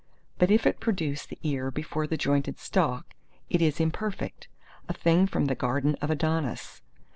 But if it produce the ear before the jointed stalk, it is imperfect—a thing from the garden of Adonis.